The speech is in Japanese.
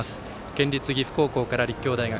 県立岐阜高校から立教大学。